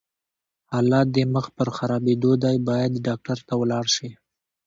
حالت دې مخ پر خرابيدو دی، بايد ډاکټر ته ولاړ شې!